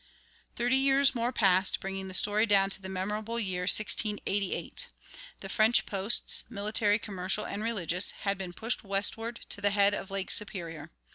"[21:1] Thirty years more passed, bringing the story down to the memorable year 1688. The French posts, military, commercial, and religious, had been pushed westward to the head of Lake Superior.